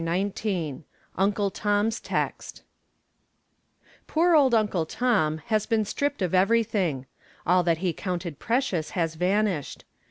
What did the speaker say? XIX UNCLE TOM'S TEXT I Poor old Uncle Tom has been stripped of everything. All that he counted precious has vanished.